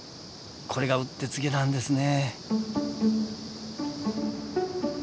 これがうってつけなんですね！